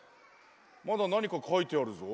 まだなにかかいてあるぞ。